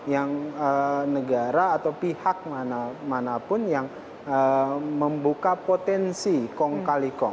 yang negara atau pihak manapun yang membuka potensi kong kali kong